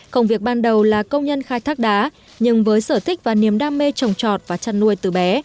công việc ban đầu là công nhân khai thác đá nhưng với sở thích và niềm đam mê trồng trọt và chăn nuôi từ bé